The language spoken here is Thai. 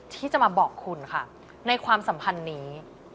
ที่จะมาบอกคุณค่ะในความสัมพันธ์นี้